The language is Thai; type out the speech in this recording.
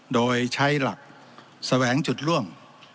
โดยใช้หลักแสวงจุดร่วม